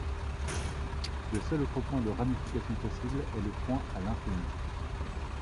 Le seul autre point de ramification possible est le point à l'infini.